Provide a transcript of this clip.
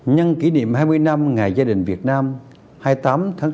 nhân kỷ niệm hai mươi năm ngày gia đình việt nam hai mươi tám tháng sáu hai nghìn một